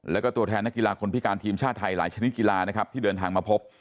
แล้วก็ตัวแทนนักกีฬาคนพิการทีมชาติไทยหลายชนิดกีฬานะครับที่เดินทางมาพบ